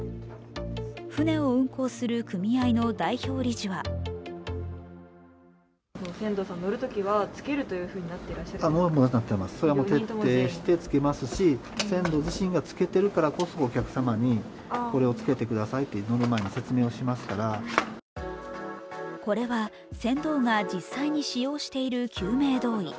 舟を運航する組合の代表理事はこれは船頭が実際に使用している救命胴衣。